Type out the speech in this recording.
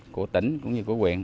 của tỉnh cũng như của quyền